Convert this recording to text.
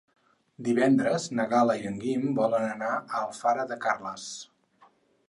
Divendres na Gal·la i en Guim volen anar a Alfara de Carles.